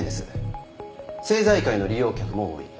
政財界の利用客も多い。